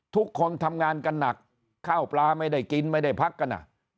ทุกคนทำงานกันหนักข้าวปลาไม่ได้กินไม่ได้พักกัน